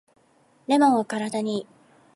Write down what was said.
レモンは体にいい